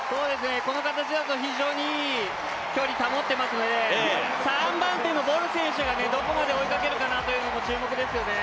この形だと非常にいい距離を保っていますので３番手のボル選手がどこまで追いかけるかも注目ですね。